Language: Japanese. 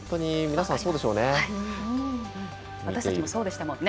私たちもそうでしたもんね。